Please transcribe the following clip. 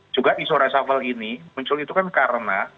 juga isu resafel ini muncul itu kan karena